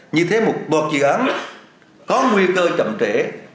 như thế một bột dự án có nguy cơ chậm trễ